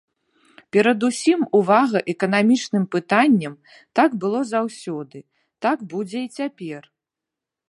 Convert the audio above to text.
Перадусім увага эканамічным пытанням, так было заўсёды, так будзе і цяпер.